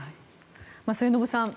末延さん